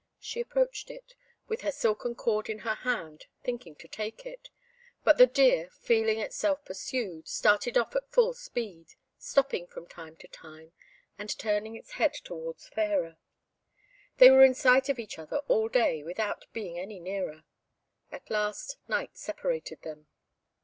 She approached it, with her silken cord in her hand, thinking to take it; but the deer, feeling itself pursued, started off at full speed, stopping from time to time, and turning its head towards Fairer. They were in sight of each other all day without being any nearer. At last night separated them.